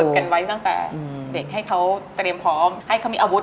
กันไว้ตั้งแต่เด็กให้เขาเตรียมพร้อมให้เขามีอาวุธ